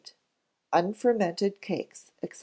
Unfermented Cakes, &c.